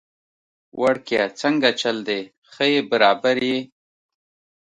وړکیه څنګه چل دی، ښه يي برابر يي؟